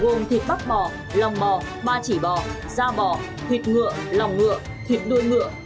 gồm thịt bắp bò lòng bò ba chỉ bò da bò thịt ngựa lòng ngựa thịt đuôi ngựa